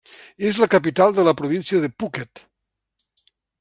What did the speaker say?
És la capital de la província de Phuket.